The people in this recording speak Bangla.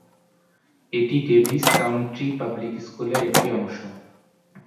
এটি ডেভিস কাউন্টি পাবলিক স্কুলের একটি অংশ।